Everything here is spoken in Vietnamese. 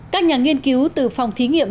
các nhà nghiên cứu từ phòng thí nghiệm